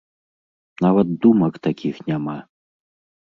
Нават думак такіх няма!